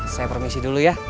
saya permisi dulu ya